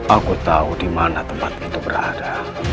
aku tahu dimana tempat itu berada